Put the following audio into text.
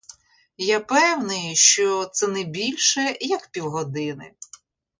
Я певний, що це не більше, як півгодини.